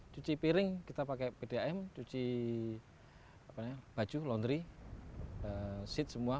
cuci piring kita pakai pdam cuci baju laundry seat semua